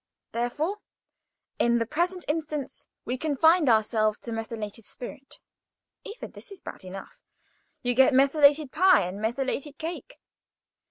Therefore, in the present instance, we confined ourselves to methylated spirit. Even that is bad enough. You get methylated pie and methylated cake.